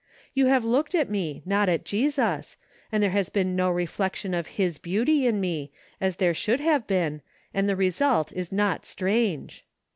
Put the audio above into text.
" You have looked at me, not at Jesus, and there has been no reflection of his beauty in me, as there should have been, and the result is not strange."